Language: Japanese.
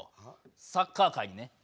サッカー界にね。